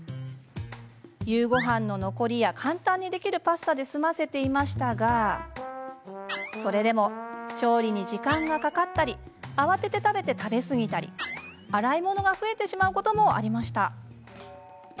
夕ごはんの残りや、簡単にできるパスタで済ませていましたがそれでも調理に時間がかかったり慌てて食べて食べすぎたり洗い物が増えてしまうこともありました。